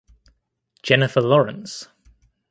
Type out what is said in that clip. Jennifer Lawrence.